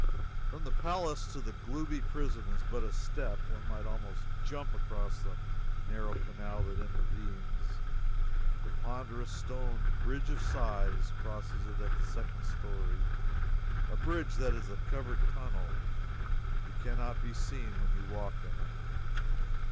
From the palace to the gloomy prison is but a step one might almost jump across the narrow canal that intervenes. The ponderous stone Bridge of Sighs crosses it at the second story a bridge that is a covered tunnel you can not be seen when you walk in it.